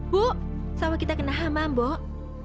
bu sawah kita kena hama mbok